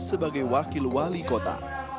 sebagai wakil wali kota